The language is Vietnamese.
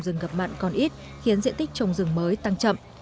rừng ngập mặn còn ít khiến diện tích trồng rừng mới tăng chậm